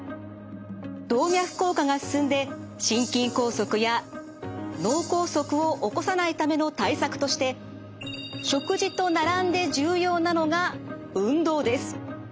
動脈硬化が進んで心筋梗塞や脳梗塞を起こさないための対策として食事と並んで重要なのが運動です。